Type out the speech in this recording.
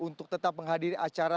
untuk tetap menghadiri acara